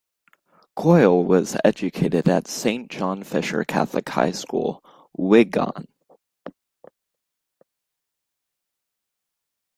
Coyle was educated at Saint John Fisher Catholic High School, Wigan.